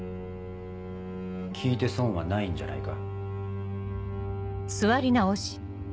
聞いて損はないんじゃないか？